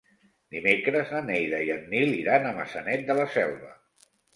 Dimecres na Neida i en Nil iran a Maçanet de la Selva.